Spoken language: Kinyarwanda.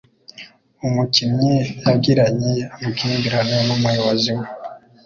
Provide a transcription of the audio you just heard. Umukinnyi yagiranye amakimbirane numuyobozi we.